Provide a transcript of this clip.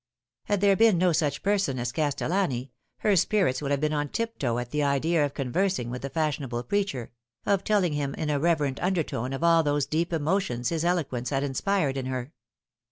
Had there been no such person as Castellani, her spirits would have been on tip toe at the idea of conversing with the fashion able preacher of telling him in a reverent under tone of all those deep emotions his eloquence had inspired in her.